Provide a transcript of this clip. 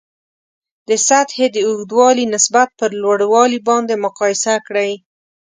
د سطحې د اوږدوالي نسبت پر لوړوالي باندې مقایسه کړئ.